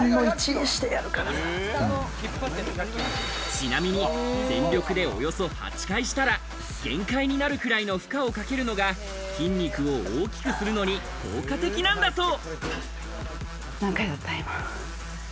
ちなみに全力でおよそ８回したら限界になるくらいの負荷をかけるのが筋肉を大きくするのに効果的なんだそう。